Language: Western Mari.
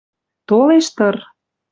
Толеш тыр.